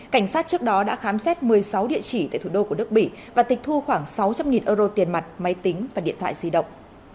cảnh sát trước đó đã khám xét một mươi sáu địa chỉ tại thủ đô của đức bỉ và tịch thu khoảng sáu trăm linh euro tiền mặt máy tính và điện thoại di động